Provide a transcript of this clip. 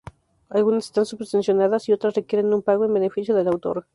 Algunas están subvencionadas, y otras requieren un pago en beneficio del autor.